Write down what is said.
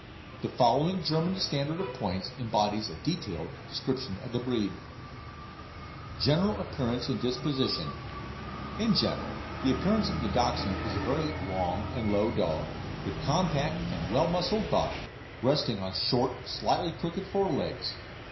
The following German standard of points embodies a detailed description of the breed: GENERAL APPEARANCE AND DISPOSITION In general appearance the Dachshund is a very long and low dog, with compact and well muscled body, resting on short, slightly crooked fore legs.